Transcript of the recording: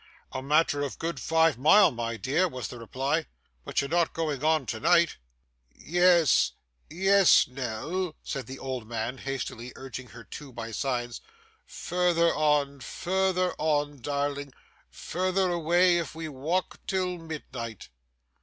'A matter of good five mile, my dear,' was the reply, 'but you're not going on to night?' 'Yes, yes, Nell,' said the old man hastily, urging her too by signs. 'Further on, further on, darling, further away if we walk till midnight.